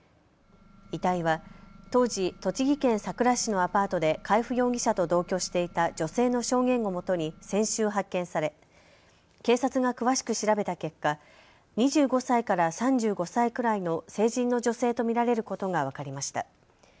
遺体は当時栃木県さくら市のアパートで海部容疑者と同居していた女性の証言をもとに先週発見され警察が詳しく調べた結果、２５歳から３５歳くらいの成人の女性と見られることが分かりました。